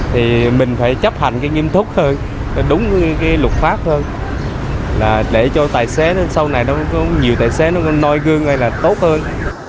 thì mình phải chấp hành cái nghiêm túc hơn đúng cái luật pháp hơn để cho tài xế sau này có nhiều tài xế nó nôi gương hay là tốt hơn